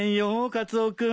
カツオ君。